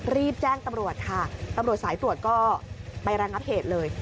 รีบแจ้งตำรวจค่ะตำรวจสายตรวจก็ไประงับเหตุเลย